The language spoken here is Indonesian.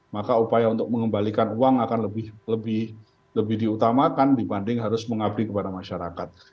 maka upaya untuk mengembalikan uang akan lebih diutamakan dibanding harus mengabdi kepada masyarakat